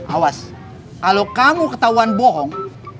awas kalau kamu ketahuan bohong